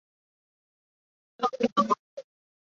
位阶统领。